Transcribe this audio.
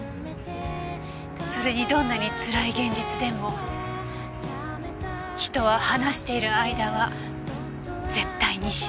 それにどんなにつらい現実でも人は話している間は絶対に死ねない。